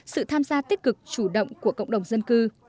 sự tham gia tích cực chủ động của cộng đồng dân cư